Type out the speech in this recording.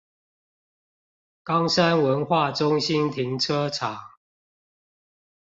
岡山文化中心停車場